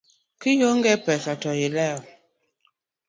Kionge pesa to ilewo